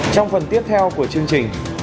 trong phần tiếp theo của chương trình